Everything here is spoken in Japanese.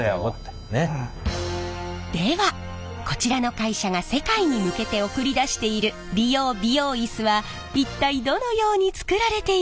ではこちらの会社が世界に向けて送り出している理容・美容イスは一体どのように作られているのか。